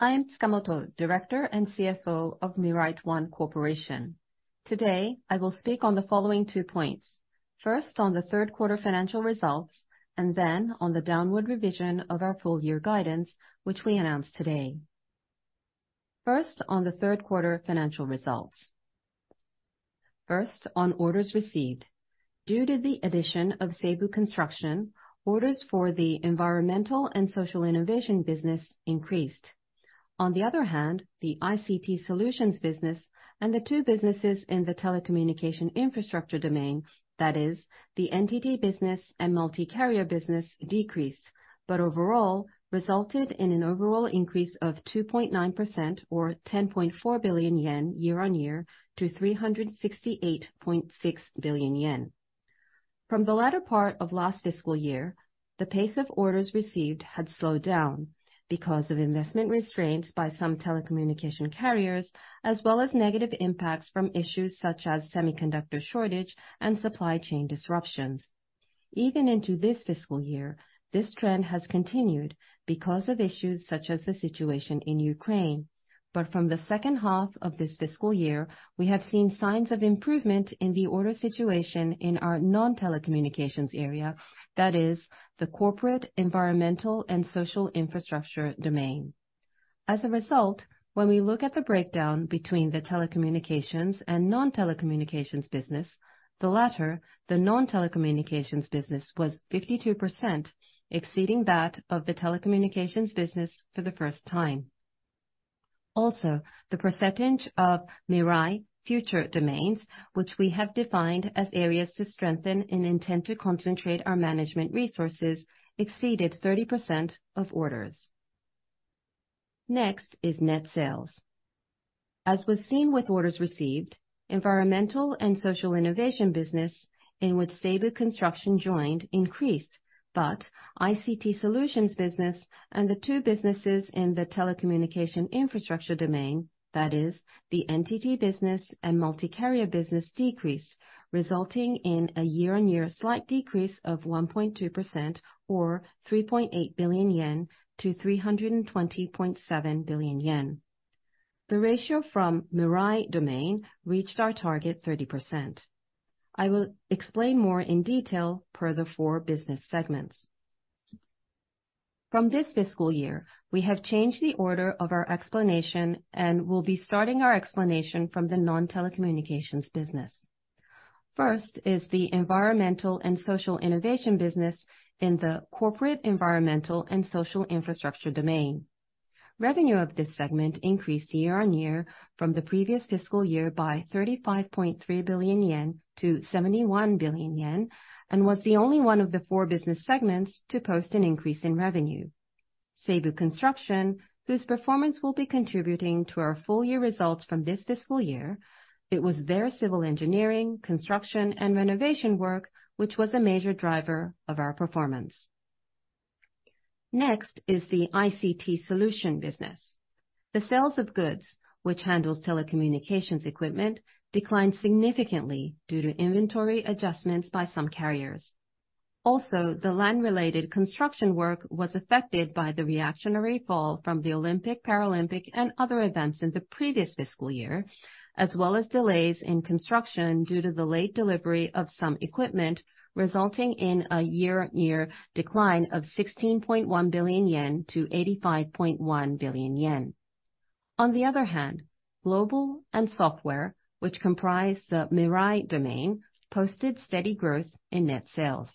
I am Tsukamoto, Director and CFO of MIRAIT ONE Corporation. Today, I will speak on the following two points. On the third quarter financial results, and then on the downward revision of our full year guidance, which we announced today. First, on the third quarter financial results. First, on orders received. Due to the addition of Seibu Construction, orders for the Environmental and Social Innovation Business increased. On the other hand, the ICT solution business and the two businesses in the telecommunication infrastructure domain, that is the NTT business and Multi-carrier business decreased, but overall resulted in an overall increase of 2.9% or 10.4 billion yen year-on-year to 368.6 billion yen. From the latter part of last fiscal year, the pace of orders received had slowed down because of investment restraints by some telecommunication carriers, as well as negative impacts from issues such as semiconductor shortage and supply chain disruptions. Even into this fiscal year, this trend has continued because of issues such as the situation in Ukraine. From the second half of this fiscal year, we have seen signs of improvement in the order situation in our non-telecommunications area, that is the corporate environmental and social infrastructure domain. As a result, when we look at the breakdown between the telecommunications and non-telecommunications business, the latter, the non-telecommunications business, was 52% exceeding that of the telecommunications business for the first time. Also, the percentage of MIRAI Domains, which we have defined as areas to strengthen and intend to concentrate our management resources, exceeded 30% of orders. Next is net sales. As was seen with orders received, Environmental and Social Innovation Business in which Seibu Construction joined increased, but ICT solution business and the two businesses in the telecommunication infrastructure domain, that is the NTT business and Multi-carrier business decreased, resulting in a year-on-year slight decrease of 1.2% or 3.8 billion yen to 320.7 billion yen. The ratio from MIRAI Domains reached our target 30%. I will explain more in detail per the four business segments. From this fiscal year, we have changed the order of our explanation and will be starting our explanation from the non-telecommunications business. First is the Environmental and Social Innovation Business in the corporate environmental and social infrastructure domain. Revenue of this segment increased year-on-year from the previous fiscal year by 35.3 billion yen to 71 billion yen, and was the only one of the four business segments to post an increase in revenue. Seibu Construction, whose performance will be contributing to our full year results from this fiscal year, it was their civil engineering, construction, and renovation work, which was a major driver of our performance. Next is the ICT solution business. The sales of goods which handles telecommunications equipment declined significantly due to inventory adjustments by some carriers. The land-related construction work was affected by the reactionary fall from the Olympic, Paralympic, and other events in the previous fiscal year, as well as delays in construction due to the late delivery of some equipment, resulting in a year-on-year decline of 16.1 billion yen to 85.1 billion yen. On the other hand, global and software, which comprise the MIRAI Domains, posted steady growth in net sales.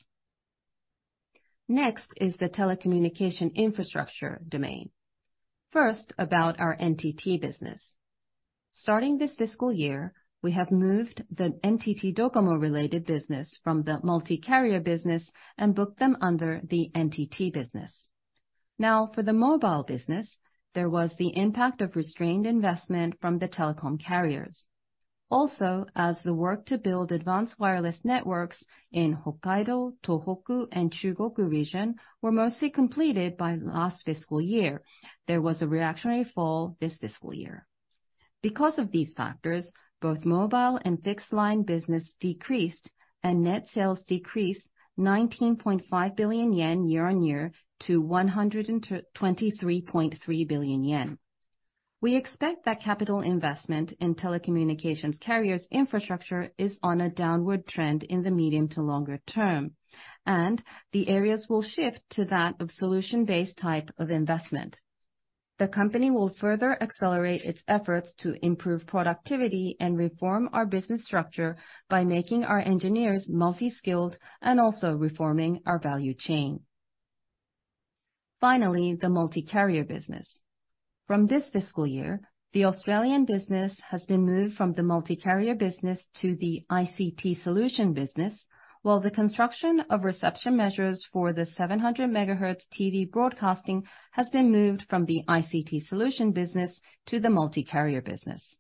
Next is the telecommunication infrastructure domain. First, about our NTT business. Starting this fiscal year, we have moved the NTT DOCOMO related business from the Multi-carrier business and booked them under the NTT business. Now, for the mobile business, there was the impact of restrained investment from the telecom carriers. Also, as the work to build advanced wireless networks in Hokkaido, Tohoku, and Chugoku region were mostly completed by last fiscal year, there was a reactionary fall this fiscal year. Because of these factors, both mobile and fixed line business decreased and net sales decreased 19.5 billion yen year-on-year to 123.3 billion yen. We expect that capital investment in telecommunications carriers infrastructure is on a downward trend in the medium to longer term, the areas will shift to that of solution-based type of investment. The company will further accelerate its efforts to improve productivity and reform our business structure by making our engineers multi-skilled and also reforming our value chain. Finally, the Multi-carrier business. From this fiscal year, the Australian business has been moved from the Multi-carrier business to the ICT solution business. The construction of reception measures for the 700 MHz TV broadcasting has been moved from the ICT solution business to the Multi-carrier business.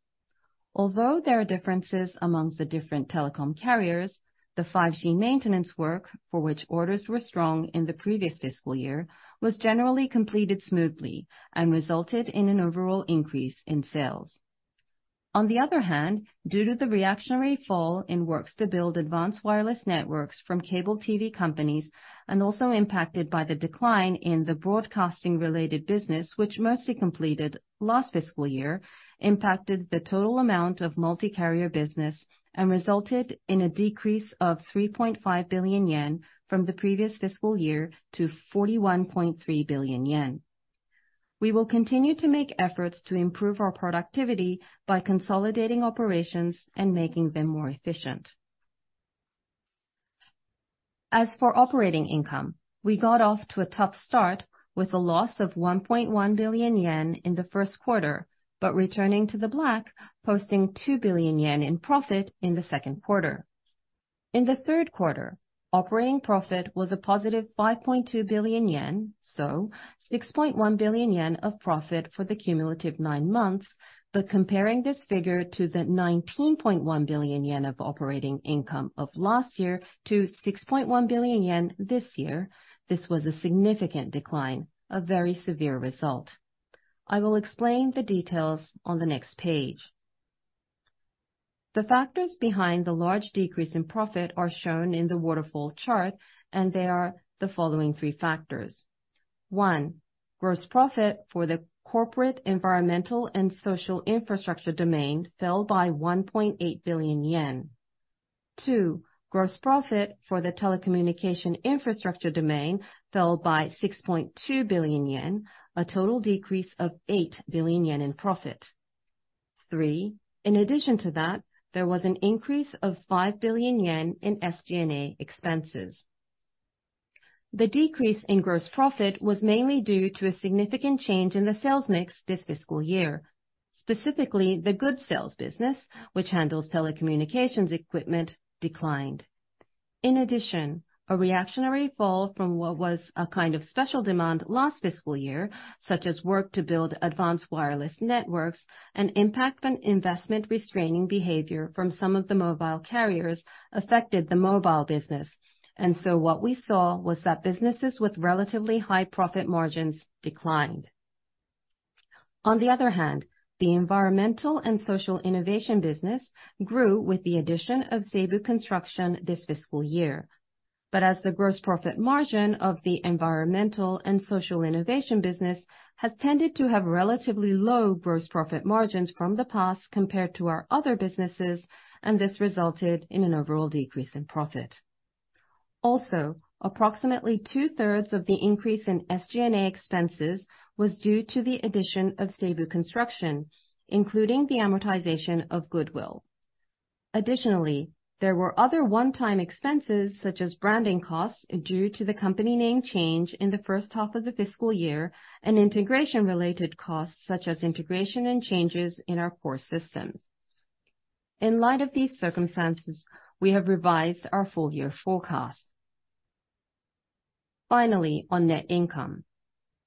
Although there are differences amongst the different telecom carriers, the 5G maintenance work for which orders were strong in the previous fiscal year was generally completed smoothly and resulted in an overall increase in sales. On the other hand, due to the reactionary fall in works to build advanced wireless networks from cable TV companies, and also impacted by the decline in the broadcasting related business, which mostly completed last fiscal year, impacted the total amount of Multi-carrier business and resulted in a decrease of 3.5 billion yen from the previous fiscal year to 41.3 billion yen. We will continue to make efforts to improve our productivity by consolidating operations and making them more efficient. As for operating income, we got off to a tough start with a loss of 1.1 billion yen in the first quarter, returning to the black, posting 2 billion yen in profit in the second quarter. In the third quarter, operating profit was a positive 5.2 billion yen, 6.1 billion yen of profit for the cumulative nine months. Comparing this figure to the 19.1 billion yen of operating income of last year to 6.1 billion yen this year, this was a significant decline, a very severe result. I will explain the details on the next page. The factors behind the large decrease in profit are shown in the waterfall chart, they are the following three factors. One, gross profit for the corporate environmental and social infrastructure domain fell by 1.8 billion yen. Two. Gross profit for the telecommunication infrastructure domain fell by 6.2 billion yen, a total decrease of 8 billion yen in profit. Three. In addition to that, there was an increase of 5 billion yen in SG&A expenses. The decrease in gross profit was mainly due to a significant change in the sales mix this fiscal year, specifically the goods sales business, which handles telecommunications equipment declined. In addition, a reactionary fall from what was a kind of special demand last fiscal year, such as work to build advanced wireless networks and impact an investment restraining behavior from some of the mobile carriers affected the mobile business. What we saw was that businesses with relatively high profit margins declined. On the other hand, the Environmental and Social Innovation Business grew with the addition of Seibu Construction this fiscal year. As the gross profit margin of the Environmental and Social Innovation Business has tended to have relatively low gross profit margins from the past compared to our other businesses, and this resulted in an overall decrease in profit. Also, approximately two-thirds of the increase in SG&A expenses was due to the addition of Seibu Construction, including the amortization of goodwill. Additionally, there were other one-time expenses, such as branding costs due to the company name change in the first half of the fiscal year, and integration related costs, such as integration and changes in our core systems. In light of these circumstances, we have revised our full year forecast. Finally, on net income.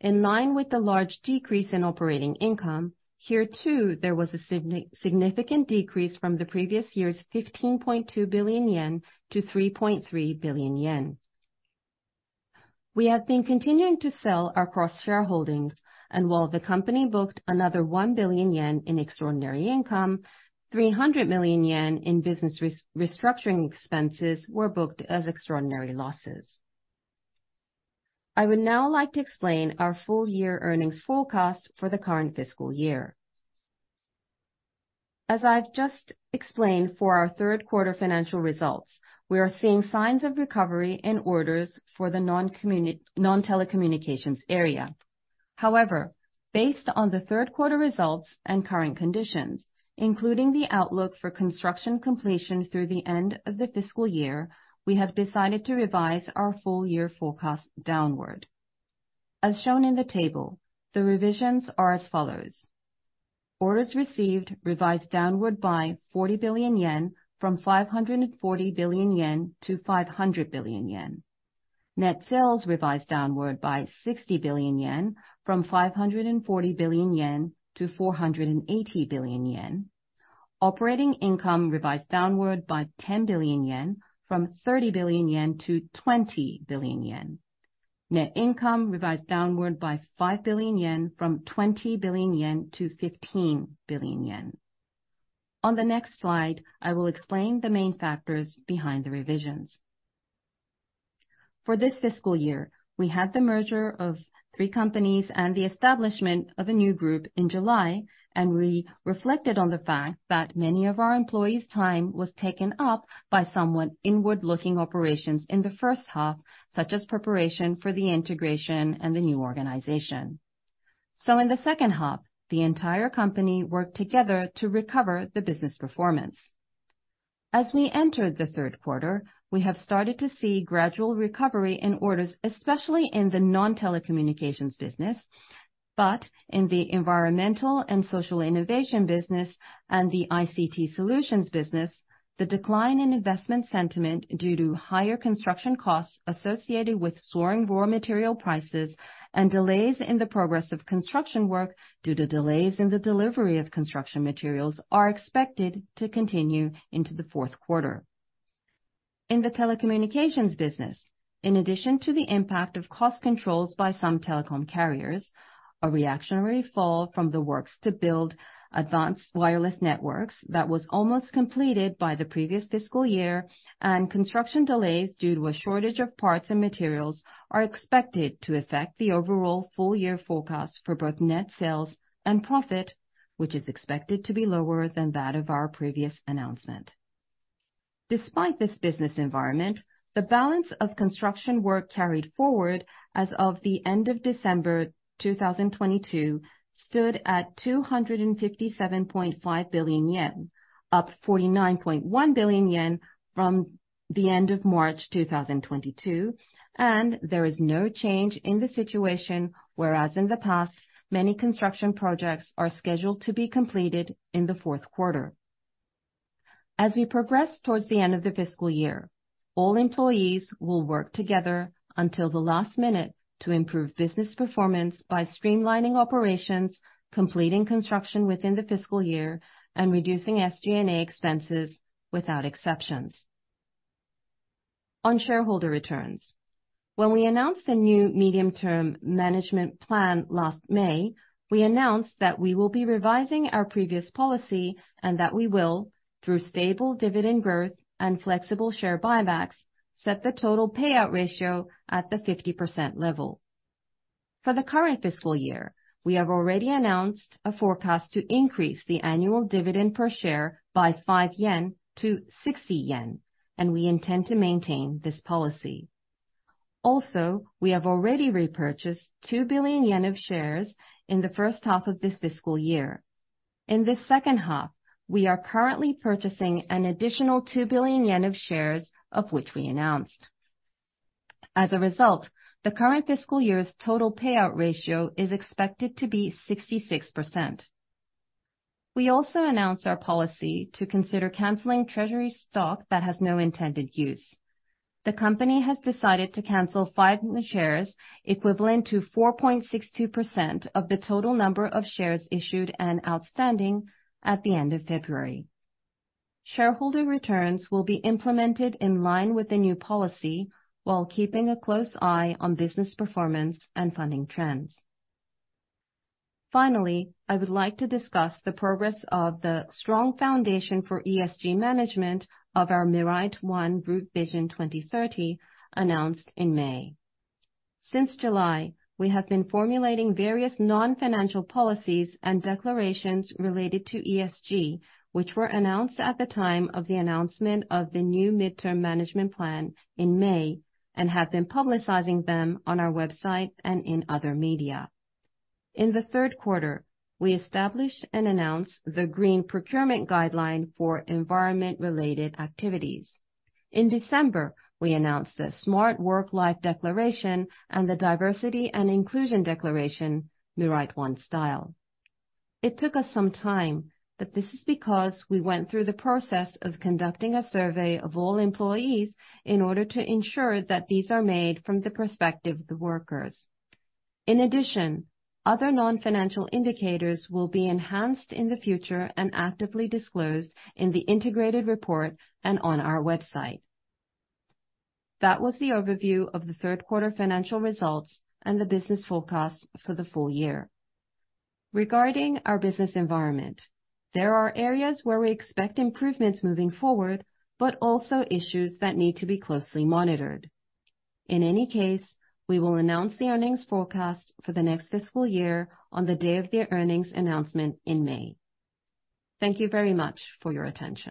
In line with the large decrease in operating income, here too, there was a significant decrease from the previous year's 15.2 billion yen to 3.3 billion yen. We have been continuing to sell our cross shareholdings, while the company booked another 1 billion yen in extraordinary income, 300 million yen in business restructuring expenses were booked as extraordinary losses. I would now like to explain our full year earnings forecast for the current fiscal year. As I've just explained for our third quarter financial results, we are seeing signs of recovery in orders for the non-telecommunications area. Based on the third quarter results and current conditions, including the outlook for construction completion through the end of the fiscal year, we have decided to revise our full year forecast downward. As shown in the table, the revisions are as follows: orders received revised downward by 40 billion yen from 540 billion yen to 500 billion yen. Net sales revised downward by 60 billion yen from 540 billion yen to 480 billion yen. Operating income revised downward by 10 billion yen from 30 billion yen to 20 billion yen. Net income revised downward by 5 billion yen from 20 billion yen to 15 billion yen. On the next slide, I will explain the main factors behind the revisions. For this fiscal year, we had the merger of 3 companies and the establishment of a new group in July, and we reflected on the fact that many of our employees' time was taken up by somewhat inward-looking operations in the first half, such as preparation for the integration and the new organization. In the second half, the entire company worked together to recover the business performance. As we entered the third quarter, we have started to see gradual recovery in orders, especially in the non-telecommunications business, but in the Environmental and Social Innovation Business and the ICT solutions business, the decline in investment sentiment due to higher construction costs associated with soaring raw material prices and delays in the progress of construction work due to delays in the delivery of construction materials are expected to continue into the fourth quarter. In the telecommunications business, in addition to the impact of cost controls by some telecom carriers, a reactionary fall from the works to build advanced wireless networks that was almost completed by the previous fiscal year and construction delays due to a shortage of parts and materials are expected to affect the overall full year forecast for both net sales and profit, which is expected to be lower than that of our previous announcement. Despite this business environment, the balance of construction work carried forward as of the end of December 2022 stood at 257.5 billion yen, up 49.1 billion yen from the end of March 2022, and there is no change in the situation, whereas in the past, many construction projects are scheduled to be completed in the fourth quarter. As we progress towards the end of the fiscal year, all employees will work together until the last minute to improve business performance by streamlining operations, completing construction within the fiscal year, and reducing SG&A expenses without exceptions. On shareholder returns. When we announced the new medium-term management plan last May, we announced that we will be revising our previous policy and that we will, through stable dividend growth and flexible share buybacks, set the total payout ratio at the 50% level. For the current fiscal year, we have already announced a forecast to increase the annual dividend per share by 5 yen to 60 yen, and we intend to maintain this policy. We have already repurchased 2 billion yen of shares in the first half of this fiscal year. In this second half, we are currently purchasing an additional 2 billion yen of shares of which we announced. The current fiscal year's total payout ratio is expected to be 66%. We also announced our policy to consider canceling treasury stock that has no intended use. The company has decided to cancel five new shares equivalent to 4.62% of the total number of shares issued and outstanding at the end of February. Shareholder returns will be implemented in line with the new policy while keeping a close eye on business performance and funding trends. Finally, I would like to discuss the progress of the strong foundation for ESG management of our MIRAIT ONE Group Vision 2030 announced in May. Since July, we have been formulating various non-financial policies and declarations related to ESG, which were announced at the time of the announcement of the new midterm management plan in May and have been publicizing them on our website and in other media. In the third quarter, we established and announced the Green Procurement Guideline for environment-related activities. In December, we announced the Smart Work-Lifestyle Declaration and the Diversity & Inclusion Declaration MIRAIT ONE Style. It took us some time, but this is because we went through the process of conducting a survey of all employees in order to ensure that these are made from the perspective of the workers. In addition, other non-financial indicators will be enhanced in the future and actively disclosed in the integrated report and on our website. That was the overview of the third quarter financial results and the business forecast for the full year. Regarding our business environment, there are areas where we expect improvements moving forward, but also issues that need to be closely monitored. In any case, we will announce the earnings forecast for the next fiscal year on the day of their earnings announcement in May. Thank you very much for your attention.